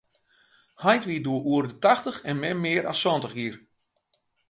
Heit wie doe oer de tachtich en mem mear as santich jier.